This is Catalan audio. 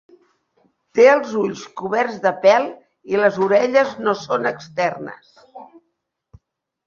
Té els ulls coberts de pèl i les orelles no són externes.